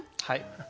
はい。